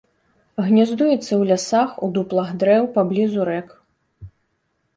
Гняздуецца ў лясах, у дуплах дрэў, паблізу рэк.